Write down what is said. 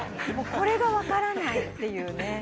もうこれがわからないっていうね。